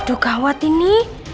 aduh gawat ini